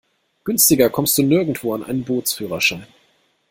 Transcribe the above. Günstiger kommst du nirgendwo an einen Bootsführerschein.